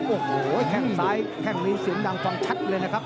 โอ้โหแข้งซ้ายแข้งนี้เสียงดังฟังชัดเลยนะครับ